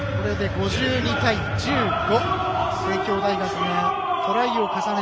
５２対１５。